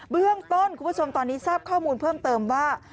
เบื้องต้นคุณผู้ชมตอนนี้ทราบข้อมูลเพิ่มเติมว่า